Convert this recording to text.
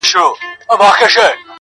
دې ساحل باندي څرک نسته د بيړیو!